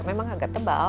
memang agak tebal